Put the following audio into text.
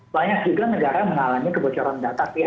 banyak juga negara mengalami kebocoran data